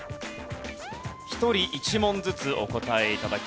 １人１問ずつお答え頂きます。